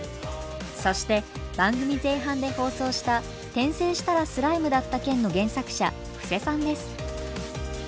そして番組前半で放送した「転生したらスライムだった件」の原作者伏瀬さんです。